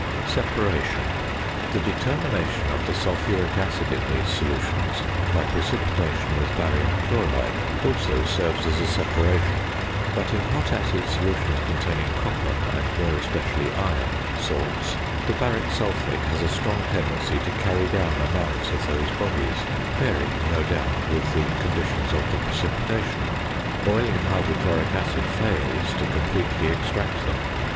~Separation.~ The determination of the sulphuric acid in these solutions by precipitation with barium chloride also serves as a separation; but in hot acid solutions containing copper, and more especially iron salts, the baric sulphate has a strong tendency to carry down amounts of those bodies, varying, no doubt, with the conditions of the precipitation. Boiling hydrochloric acid fails to completely extract them.